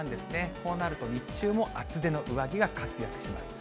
こうなると、日中も厚手の上着が活躍します。